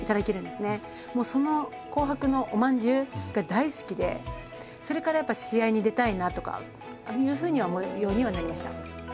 もうその紅白のお饅頭が大好きでそれからやっぱ試合に出たいなとかいうふうには思うようにはなりました。